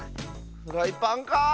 フライパンか？